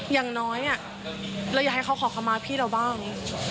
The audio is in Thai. อย่างน้อยเราอยากให้เขาขอคำมาพี่เราบ้าง